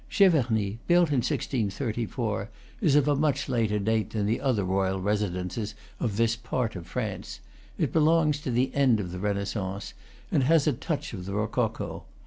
Che verny, built in 1634, is of a much later date than the other royal residences of this part of France; it be longs to the end of the Renaissance, and has a touch of the rococo.